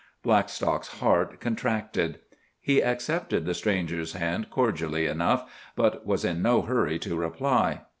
Blackstock's heart contracted. He accepted the stranger's hand cordially enough, but was in no hurry to reply.